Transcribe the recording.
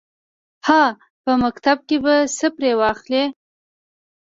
_هه! په مکتب کې به څه پرې واخلې.